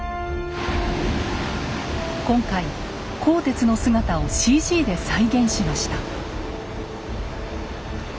今回「甲鉄」の姿をＣＧで再現しました。